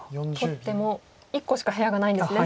取っても１個しか部屋がないんですね。